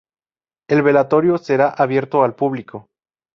El velatorio será abierto al público.